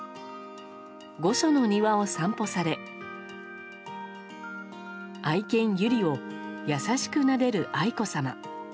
御所の庭を散歩され愛犬・由莉を優しくなでる愛子さま。